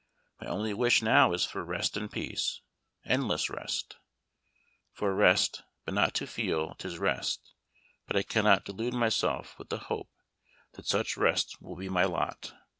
My only wish now is for rest and peace endless rest. 'For rest but not to feel 'tis rest,' but I cannot delude myself with the hope that such rest will be my lot.